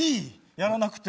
やらなくて。